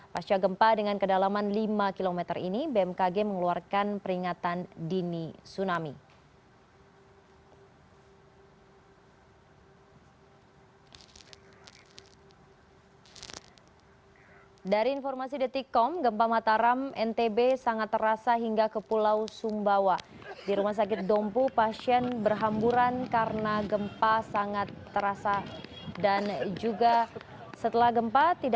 pasca gempa dengan kedalaman lima km ini bmkg mengeluarkan peringatan dini tsunami